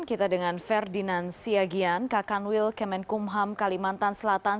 kita dengan ferdinand siagian kak kanwil kemenkumham kalimantan selatan